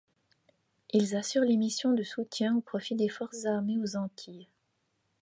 Ils assurent les missions de soutien au profit des Forces armées aux Antilles.